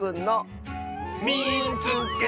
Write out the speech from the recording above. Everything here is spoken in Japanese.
「みいつけた！」。